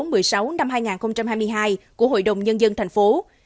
năm hai nghìn hai mươi hai của hội đồng nhân dân tp hcm